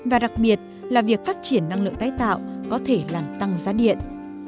và đặc biệt là việc phát triển năng lượng tái tạo có thể làm tăng giá điện